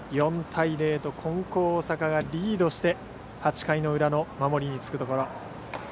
４対０と金光大阪がリードして８回の裏の守りにつくところ。